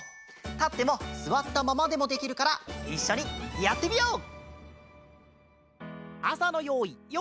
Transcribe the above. たってもすわったままでもできるからいっしょにやってみよう！